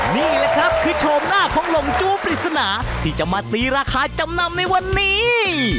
นี่แหละครับคือโฉมหน้าของหลงจู้ปริศนาที่จะมาตีราคาจำนำในวันนี้